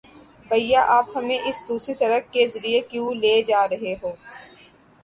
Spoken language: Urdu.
بھیا، آپ ہمیں اس دوسری سڑک کے ذریعے کیوں لے جا رہے ہو؟